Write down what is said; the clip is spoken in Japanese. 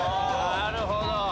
なるほど。